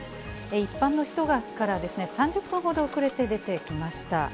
一般の人から３０分ほど遅れて出てきました。